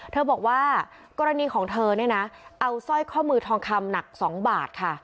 เธอบอกว่ากรณีของเธอเนี่ยนะเอาสร้อยข้อมือทองคำหนัก๒บาทค่ะ